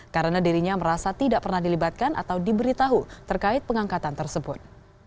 karena dirinya merasa tidak pernah dilibatkan atau diberitahu terkait pengangkatan tersebut